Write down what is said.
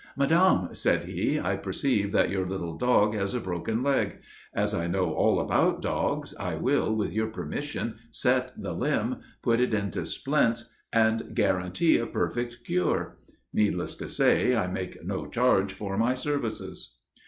"Madame," said he, "I perceive that your little dog has a broken leg. As I know all about dogs, I will, with your permission, set the limb, put it into splints and guarantee a perfect cure. Needless to say, I make no charge for my services."